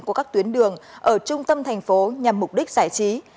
của các tuyến đường ở trung tâm thành phố nhằm mục đích giải trí